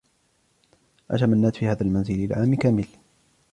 عاش منّاد في هذا المنزل لعام كامل.